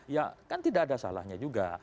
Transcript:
ya kan tidak ada salahnya juga